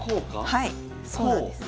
はいそうなんです。